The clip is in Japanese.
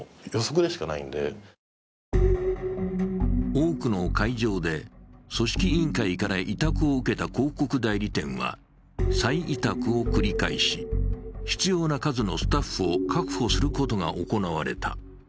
多くの会場で組織委員会から委託を受けた広告代理店は、再委託を繰り返し、必要な数のスタッフを確保することが行われた。